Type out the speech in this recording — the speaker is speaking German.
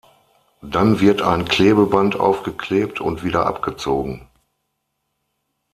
Dann wird ein Klebeband aufgeklebt und wieder abgezogen.